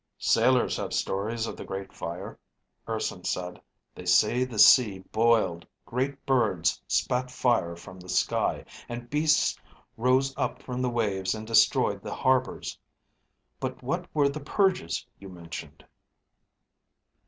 "Sailors have stories of the Great Fire," Urson said. "They say the sea boiled, great birds spat fire from the sky, and beasts rose up from the waves and destroyed the harbors. But what were the purges you mentioned?"